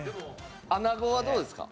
アナゴはどうですか？